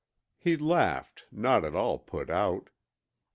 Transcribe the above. He laughed, not at all put out.